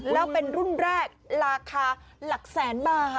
แล้วเป็นรุ่นแรกราคาหลักแสนบาท